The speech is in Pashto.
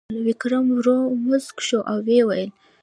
ویکرم ورو موسک شو او وویل: